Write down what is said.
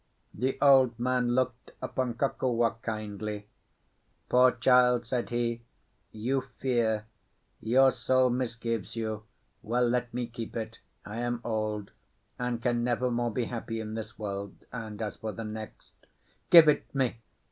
The old man looked upon Kokua kindly. "Poor child!" said he, "you fear; your soul misgives you. Well, let me keep it. I am old, and can never more be happy in this world, and as for the next—" "Give it me!"